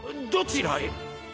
どちらへ？